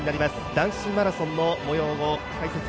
男子マラソンの様子を解説